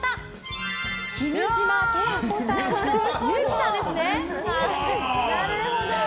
君島十和子さんと憂樹さんですね。